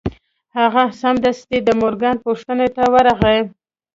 هغه سمدستي د مورګان پوښتنې ته ورغی